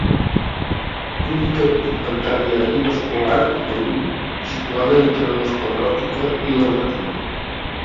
Túnica pigmentària i vascular de l'ull situada entre l'escleròtica i la retina.